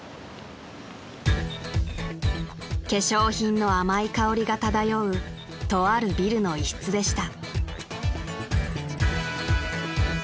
［化粧品の甘い香りが漂うとあるビルの一室でした］